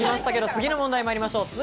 次の問題まいりましょう。